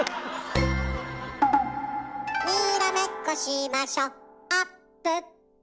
「にらめっこしましょあっぷっぷ」